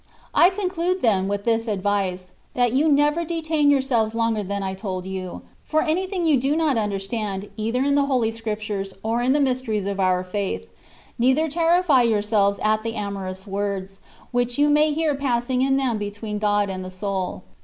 1 conclude, then, with this advice : that you never detain yourselves longer than I told you, for anything you do not understand, either in the Holy Scriptures, or in the mysteries of our faith ; neither terrify yourselves at the amorous words, which you may hear passing in them between God and the soul.